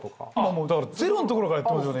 もうだからゼロのところからやってますよね？